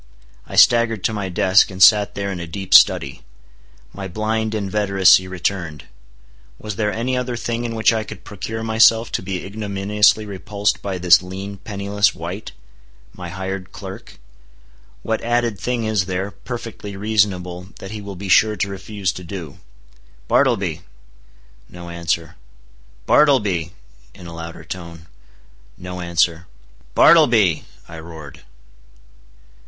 I staggered to my desk, and sat there in a deep study. My blind inveteracy returned. Was there any other thing in which I could procure myself to be ignominiously repulsed by this lean, penniless wight?—my hired clerk? What added thing is there, perfectly reasonable, that he will be sure to refuse to do? "Bartleby!" No answer. "Bartleby," in a louder tone. No answer. "Bartleby," I roared.